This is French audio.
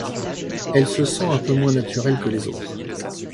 Elle se sent un peu moins naturelle que les autres.